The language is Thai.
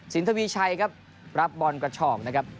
ทวีชัยครับรับบอลกระฉอกนะครับ